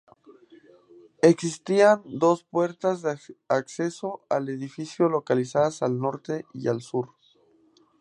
Existían dos puertas de acceso al edificio localizadas al norte y al sur.